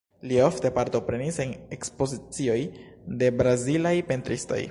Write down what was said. Li ofte partoprenis en ekspozicioj de brazilaj pentristoj.